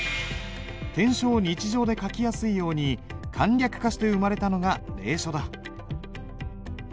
篆書を日常で書きやすいように簡略化して生まれたのが隷書だ。